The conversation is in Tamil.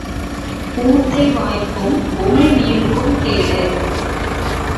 ஊத்தை வாய்க்கும் உமிழ் நீருக்கும் கேடு.